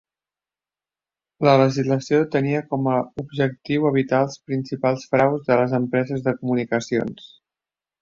La legislació tenia com a objectiu evitar els principals fraus de les empreses de comunicacions.